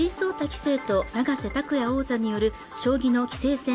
棋聖と永瀬拓矢王座による将棋の棋聖戦